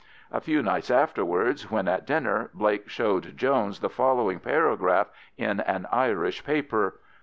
A few nights afterwards, when at dinner, Blake showed Jones the following paragraph in an Irish paper.